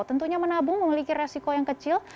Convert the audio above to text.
tentunya menabung memiliki resiko yang kecil